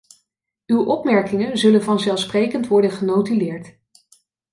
Uw opmerkingen zullen vanzelfsprekend worden genotuleerd.